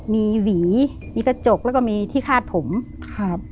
มีหวีมีกระจกแล้วก็มีที่คาดผมครับ